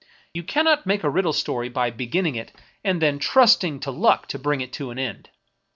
You cannot make a riddle story by beginning it and then trusting to luck to bring it to an end.